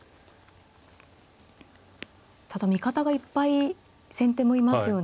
ただ味方がいっぱい先手もいますよね。